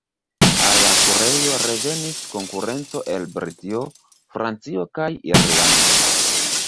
Al la kurejo revenis konkurenco el Britio, Francio kaj Irlando.